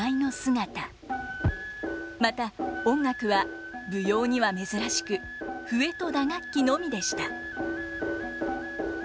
また音楽は舞踊には珍しく笛と打楽器のみでした。